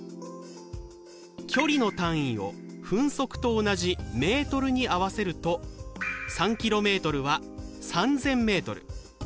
距離の単位を分速と同じメートルに合わせると３ｋｍは３０００ｍ。